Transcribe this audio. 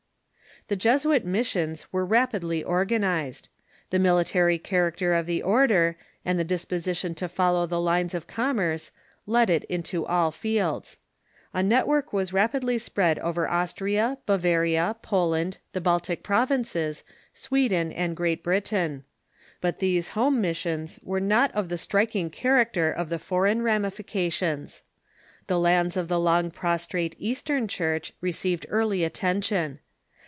The Jesuit missions were rapidly organized. The military character of the order, and the disposition to follow the lines of commerce, led it into all fields. A network was Jesuit i apijiy spread over Austria, Bavaria, Poland, the Bal MiSSIOnS ^*'.^^^ i T >l TT •• r> 1 tic Provinces, Sweden, and Great britam. But these home missions were not of the striking character of the for THE ORDER OF JESUITS 291 eign ramifications. The lands of the long prostrate Eastern Church received early attention.